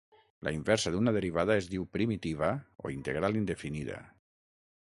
La inversa d'una derivada es diu primitiva o integral indefinida.